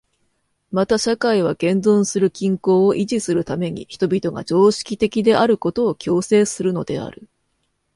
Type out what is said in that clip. また社会は現存する均衡を維持するために人々が常識的であることを強制するのである。